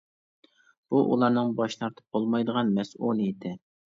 بۇ ئۇلارنىڭ باش تارتىپ بولمايدىغان مەسئۇلىيىتى.